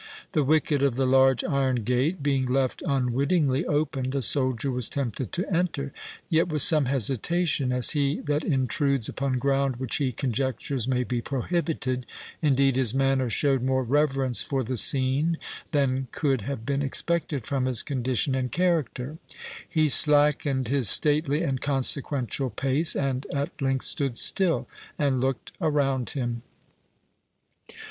The wicket of the large iron gate being left unwittingly open, the soldier was tempted to enter, yet with some hesitation, as he that intrudes upon ground which he conjectures may be prohibited—indeed his manner showed more reverence for the scene than could have been expected from his condition and character. He slackened his stately and consequential pace, and at length stood still, and looked around him.